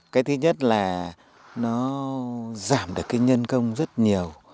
cái thứ nhất là nó giảm được cái nhân công rất nhiều